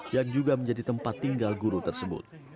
yang juga menjadi tempat tinggal guru tersebut